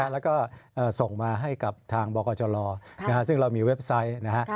แล้วก็ส่งมาให้กับทางบกจลซึ่งเรามีเว็บไซต์นะฮะ